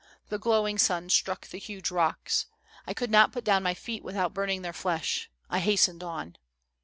The glowing sun struck the huge rocks. I could not put down my feet without burning their flesh. I hastened on.